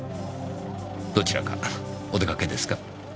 どちらかお出かけですか？